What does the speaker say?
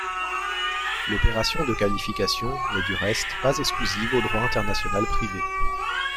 L'opération de qualification n'est du reste, pas exclusive au droit international privé.